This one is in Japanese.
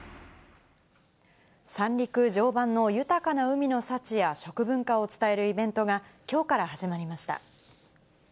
三陸・常磐の豊かな海の幸や食文化を伝えるイベントがきょうから始まりました。